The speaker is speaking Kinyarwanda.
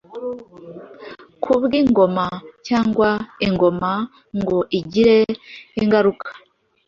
KubwIngoma, cyangwa Ingoma ngo igire ingaruka